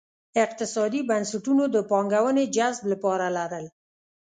اقتصادي بنسټونو د پانګونې جذب لپاره لرل.